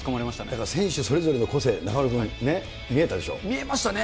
だから選手それぞれの個性、見えましたね。